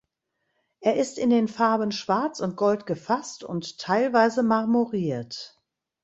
Er ist in den Farben Schwarz und Gold gefasst und teilweise marmoriert.